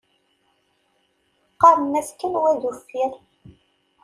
Qqaṛen-as kan wa d uffir.